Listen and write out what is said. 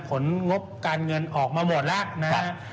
งบการเงินออกมาหมดแล้วนะครับ